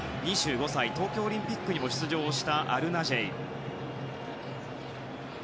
２５歳、東京オリンピックにも出場したアルナジェイ。